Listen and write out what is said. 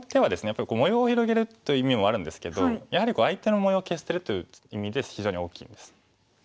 やっぱり模様を広げるという意味もあるんですけどやはり相手の模様を消してるという意味で非常に大きいんです。